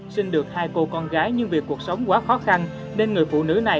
sinh được hai cô con gái nhưng vì cuộc sống quá khó khăn nên người phụ nữ này